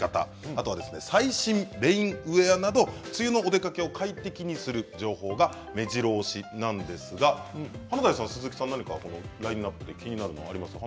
あとは最新レインウエアなど梅雨のお出かけを快適にする情報がめじろ押しなんですが華大さん鈴木さん何かラインナップで気になるものありますか？